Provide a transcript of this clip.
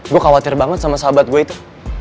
gua khawatir banget sama sahabat gua itu